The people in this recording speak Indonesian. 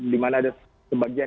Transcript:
di mana ada sebagian